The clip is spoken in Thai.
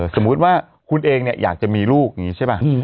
สมมุติว่าคุณเองเนี่ยอยากจะมีลูกอย่างนี้ใช่ป่ะ